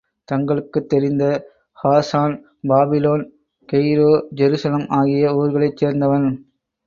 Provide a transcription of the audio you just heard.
தங்களுக்குத் தெரிந்த ஹாஸான், பாபிலோன், கெய்ரோ, ஜெருசலம் ஆகிய ஊர்களைச் சேர்ந்தவன்.